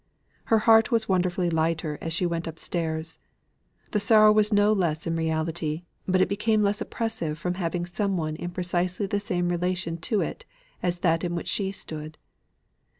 Her heart was wonderfully lighter as she went up stairs; the sorrow was no less in reality, but it became less oppressive from having some one in precisely the same relation to it as that in which she stood.